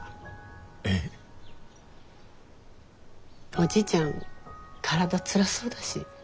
おじいちゃん体つらそうだし。